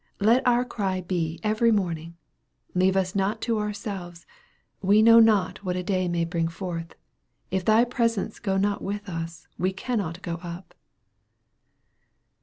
Let our cry be every morning, " leave us not to ourselves we know not what a day may bring forth if thy pre >ence go not with us we cannot go up."